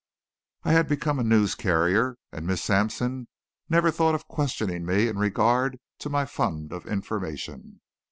I had become a news carrier, and Miss Sampson never thought of questioning me in regard to my fund of information.